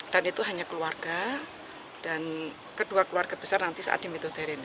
dan itu hanya keluarga dan kedua keluarga besar nanti saat di midodareni